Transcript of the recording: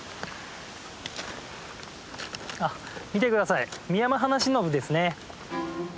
見て下さいミヤマハナシノブですね。